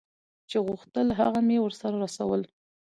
چې غوښتل هغه مې ورته رسول.